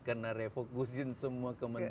karena refokusin semua kementrian